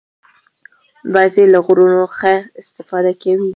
وزې له غرونو ښه استفاده کوي